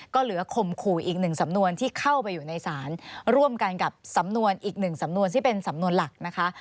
ก็เหลือข่มขู่อีกหนึ่งสำนวนที่เข้าไปอยู่ในศาลร่วมกันกับสำนวนอีกหนึ่งสำนวนที่เป็นสำนวนหลักนะคะ